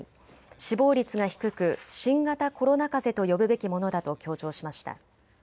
死亡率が低く、新型コロナかぜと呼ぶべきものだと強調しました。